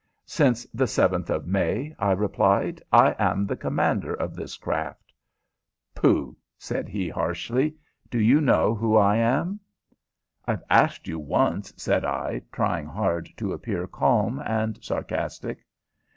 "Since the seventh day of May," I replied. "I am the commander of this craft." "Pooh!" said he, harshly. "Do you know who I am?" "I've asked you once," said I, trying hard to appear calm and sarcastic.